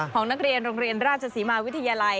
ของนักเรียนโรงเรียนราชศรีมาวิทยาลัย